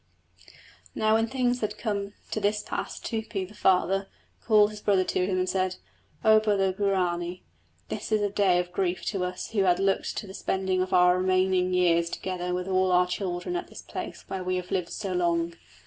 Now when things had come to this pass Tupi the Father, called his brother to him and said: O brother Guarani, this is a day of grief to us who had looked to the spending of our remaining years together with all our children at this place where we have lived so long.